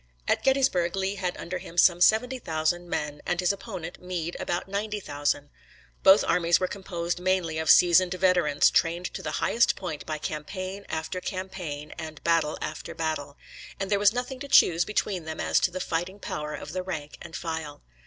At Gettysburg Lee had under him some seventy thousand men, and his opponent, Meade, about ninety thousand. Both armies were composed mainly of seasoned veterans, trained to the highest point by campaign after campaign and battle after battle; and there was nothing to choose between them as to the fighting power of the rank and file.